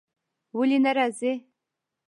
ولی نه راځی ؟